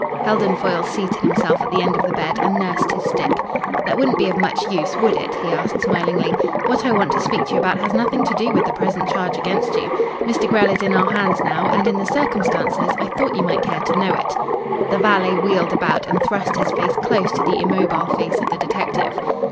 Heldon Foyle seated himself at the end of the bed and nursed his stick. "That wouldn't be of much use, would it?" he asked smilingly. "What I want to speak to you about has nothing to do with the present charge against you. Mr. Grell is in our hands now, and in the circumstances I thought you might care to know it." The valet wheeled about and thrust his face close to the immobile face of the detective.